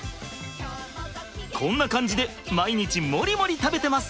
こんな感じで毎日モリモリ食べてます。